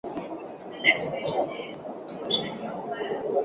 世田谷美术馆附近设有付费停车场。